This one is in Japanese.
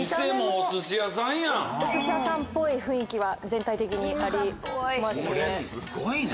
お寿司屋さんっぽい雰囲気は全体的にありますね。